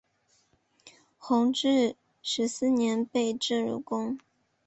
弘治十四年被征入宫。